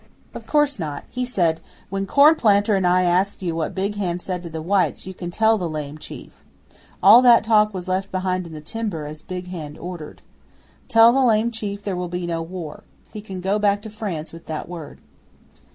'Of course not. He said, "When Cornplanter and I ask you what Big Hand said to the whites you can tell the Lame Chief. All that talk was left behind in the timber, as Big Hand ordered. Tell the Lame Chief there will be no war. He can go back to France with that word."